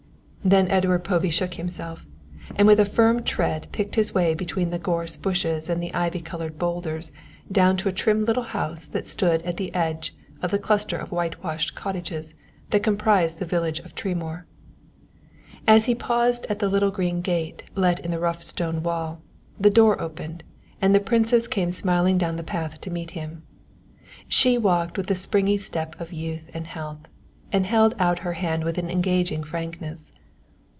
Then Edward Povey shook himself, and with a firm tread picked his way between the gorse bushes and the ivy covered boulders down to a trim little house that stood at the edge of the cluster of white washed cottages that comprised the village of Tremoor. As he paused at the little green gate let in the rough stone wall, the door opened and the Princess came smilingly down the path to meet him. She walked with the springy step of youth and health, and held out her hand with an engaging frankness.